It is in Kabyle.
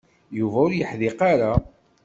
Yuba ur yeḥdiq ara.